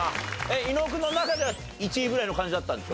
伊野尾君の中では１位ぐらいの感じだったんですか？